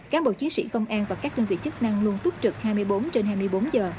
cán bộ chiến sĩ công an và các đơn vị chức năng luôn túc trực hai mươi bốn trên hai mươi bốn giờ